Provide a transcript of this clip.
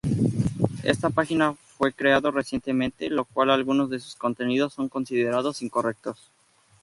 Esta página fue creado recientemente, lo cual, algunos de sus contenidos son considerados incorrectos.